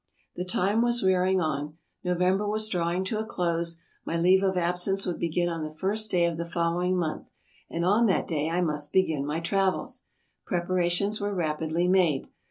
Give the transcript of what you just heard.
The time was wearing on, November was drawing to a close, my leave of absence would begin on the first of the following month, and on that day I must begin my travels. Preparations were rapidly made.